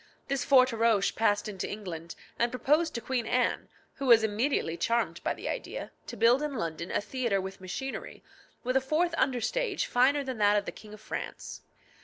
This Forteroche passed into England, and proposed to Queen Anne, who was immediately charmed by the idea, to build in London a theatre with machinery, with a fourth under stage finer than that of the King of France.